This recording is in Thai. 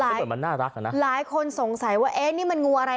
เนี่ยเขาจะกระดูกหางนะจริงอ่ะหลายคนสงสัยว่าเอ๊ะนี่มันงูอะไร